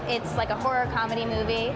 ini seperti film komedi horror